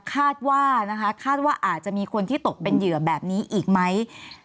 คาดว่านะคะคาดว่าอาจจะมีคนที่ตกเป็นเหยื่อแบบนี้อีกไหม